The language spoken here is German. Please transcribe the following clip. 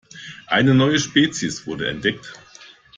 Eine neue Spezies wurde entdeckt.